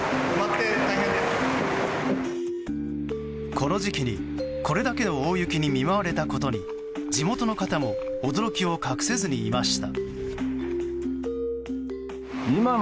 この時期に、これだけの大雪に見舞われたことに地元の方も驚きを隠せずにいました。